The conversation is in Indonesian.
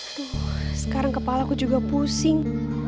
tuh sekarang kepala aku juga pusing